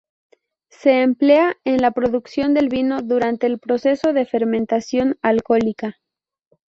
Se emplea en la producción del vino durante el proceso de fermentación alcohólica.